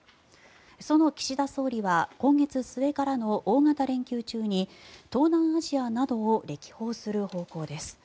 その岸田総理は今月末からの大型連休中に東南アジアなどを歴訪する方向です。